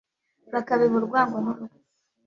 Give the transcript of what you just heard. bakabiba urwango n’urupfu